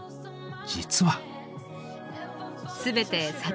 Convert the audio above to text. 実は。